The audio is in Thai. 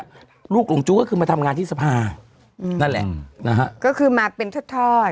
นั่นแหละนะฮะก็คือมาเป็นทดทอด